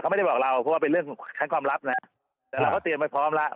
ไม่ได้บอกเราเพราะว่าเป็นเรื่องชั้นความลับนะแต่เราก็เตรียมไปพร้อมแล้ว